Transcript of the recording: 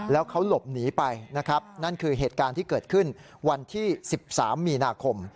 แล้วเขาหลบหนีไปนะครับนั่นคือเหตุการณ์ที่เกิดขึ้นวันที่๑๓มีนาคม